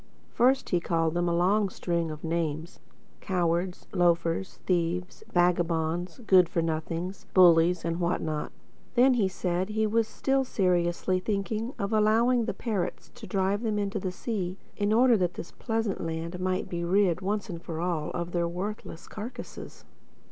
First he called them a long string of names: cowards, loafers, thieves, vagabonds, good for nothings, bullies and what not. Then he said he was still seriously thinking of allowing the parrots to drive them on into the sea, in order that this pleasant land might be rid, once for all, of their worthless carcases.